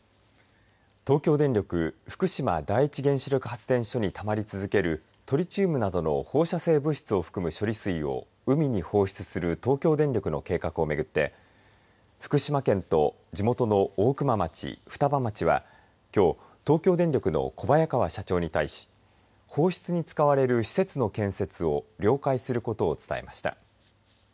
東京電力福島第一原子力発電所にたまり続けるトリチウムなどの放射性物質を含む処理水を海に放出する東京電力の計画を巡って福島県と地元の大熊町、双葉町はきょう東京電力の小早川社長に対し放出に使われる施設の建設を了解することを伝えました。